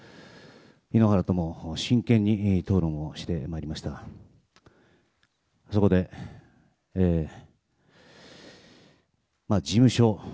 井ノ原とも真剣に討論をしてまいりましたがそこで、事務所